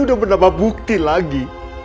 ini udah menambah bukti lagi